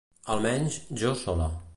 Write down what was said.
Almenys, jo sola.